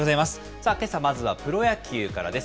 さあ、けさまずはプロ野球からです。